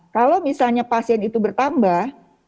kalau misalnya pasien itu bertambah